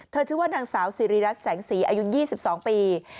ชื่อว่านางสาวสิริรัตนแสงสีอายุ๒๒ปี